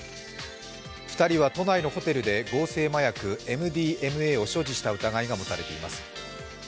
２人は都内のホテルで合成麻薬、ＭＤＭＡを所持した疑いがもたれています。